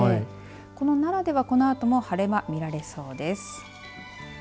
この奈良ではこのあとも晴れ間が見られそうです。